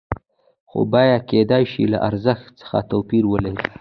خو بیه کېدای شي له ارزښت څخه توپیر ولري